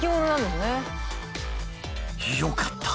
よかった！